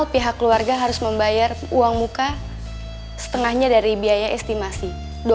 biar uang muka setengahnya dari biaya estimasi